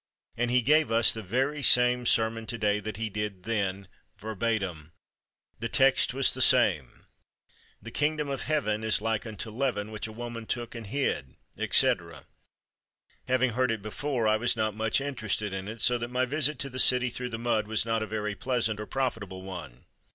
And he gave us the very same sermon to day that he did then verbatim. The text was the same 'The Kingdom of Heaven is like unto leaven which a woman took and hid,' etc. Having heard it before, I was not much interested in it, so that my visit to the city through the mud was not a very pleasant or profitable one.